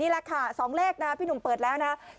แหละค่ะ๒เลขนะพี่หนุ่มเปิดแล้วนะ